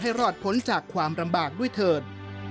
รอดพ้นจากความลำบากด้วยเถิด